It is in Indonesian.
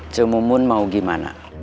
cemumun mau gimana